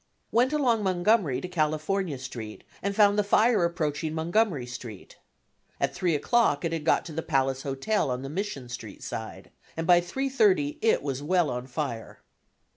Went along Montgomery to California Street, and found the fire approaching Montgomery Street. At 3 o'clock it had got to the Palace Hotel on the Mission Street side, and by 3:30 it was well on fire.